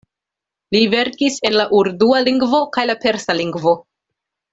Li verkis en la urdua lingvo kaj la persa lingvo.